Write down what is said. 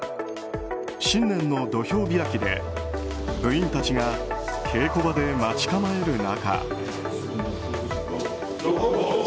新年の土俵開きで部員たちが稽古場で待ち構える中。